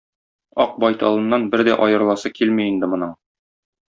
Ак байталыннан бер дә аерыласы килми инде моның.